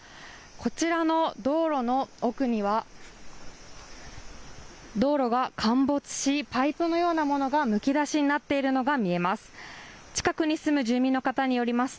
こちらの道路の奥には道路が陥没しパイプのようなものがむき出しになっているのが見えます。